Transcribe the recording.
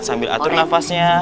sambil atur nafasnya